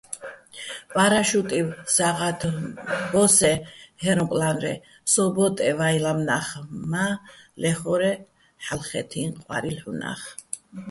პა́რაშუტივ სა́ღათ ბო́სსეჼ ჰე́როპლა́ნრეჼ, სო ბო́ტეჼ ვაჲ ლამნა́ხ, მა, ლე́ხორე́, ჰ̦ალო̆ ხე́თიჼ ყვა́რილ ჰ̦უნახ.